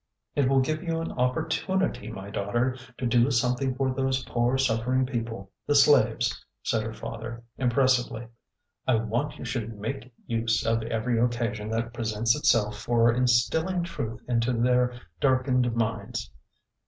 It will give you an opportunity, my daughter, to do something for those poor suffering people, the slaves," said her father, impressively. I want you should make use of every occasion that presents itself for instilling truth into their darkened minds.